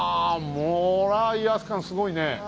もう威圧感すごいね。